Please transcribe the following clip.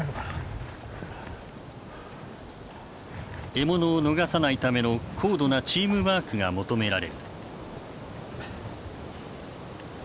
獲物を逃さないための高度なチームワークが求められる。